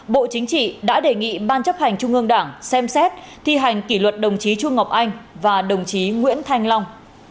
bộ chính trị đã đề nghị ban chấp hành trung ương đảng xem xét thi hành kỷ luật đồng chí chu ngọc anh và đồng chí nguyễn thanh long